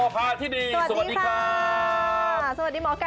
มาในช่วงนี้เจอกับหมอไก่อาจารย์โภภาษณ์ที่ดีสวัสดีครับ